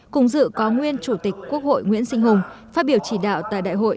cùng dự có nguyên chủ tịch quốc hội nguyễn sinh hùng phát biểu chỉ đạo tại đại hội